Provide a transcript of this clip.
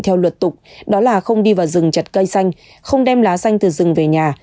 theo luật tục đó là không đi vào rừng chặt cây xanh không đem lá xanh từ rừng về nhà